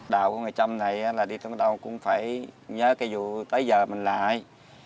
tiếng nói của người trâm là đi tới đâu cũng nhớ cái vụ tới giờ mình lại